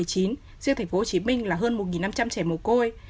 riêng thành phố hồ chí minh là hơn một năm trăm linh trẻ mồ côi